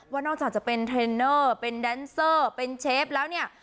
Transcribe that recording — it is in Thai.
ว่านอกจากจะเป็นเทรนเนอร์เป็นแดนเซอร์เป็นเชฟแล้วเนี่ย